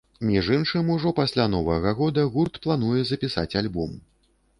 Між іншым, ужо пасля новага года гурт плануе запісаць альбом.